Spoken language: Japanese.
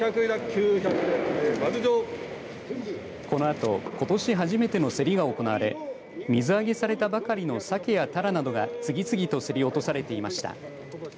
このあと、ことし初めての競りが行われ水揚げされたばかりのサケやタラなどが次々と競り落とされていました。